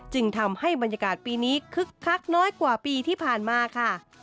จึงทำให้บรรยากาศปีนี้คึกคักน้อยกว่าปีที่ผ่านมาค่ะ